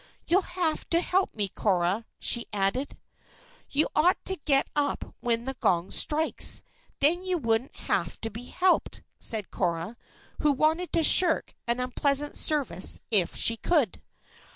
"You'll have to help me, Cora," she added. "You ought to get up when the gong strikes; then you wouldn't have to be helped," said Cora, who wanted to shirk an unpleasant service if she could.